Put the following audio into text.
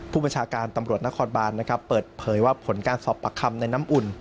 ผู้บัญชาการตำรวจนครบานนะครับเปิดเผยว่าผลการสอบปากคำในน้ำอุ่น